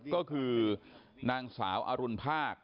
ก็คือนางสาวอรุณภาค